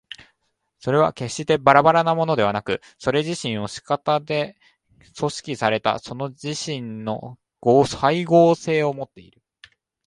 それは決してばらばらなものでなく、それ自身の仕方で組織されたそれ自身の斉合性をもっている。